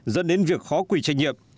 dẫn đến việc khó quy trách nhiệm